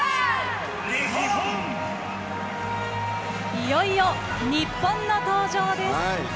いよいよ日本の登場です。